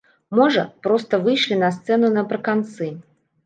Можа, проста выйшлі на сцэну напрыканцы.